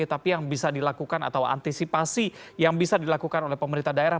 tapi yang bisa dilakukan atau antisipasi yang bisa dilakukan oleh pemerintah daerah